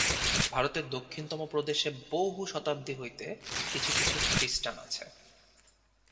ভারতের দক্ষিণতম প্রদেশে বহু শতাব্দী হইতে কিছু কিছু খ্রীষ্টান আছে।